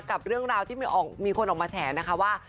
กับเรื่องราวที่มีคนออกมาแฉนะคะว่า